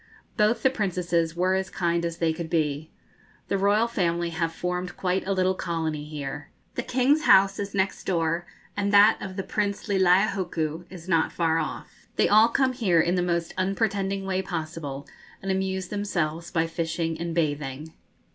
Both the Princesses were as kind as they could be. The royal family have formed quite a little colony here. The King's house is next door, and that of the Prince Leleiohoku is not far off. They all come here in the most unpretending way possible, and amuse themselves by fishing and bathing.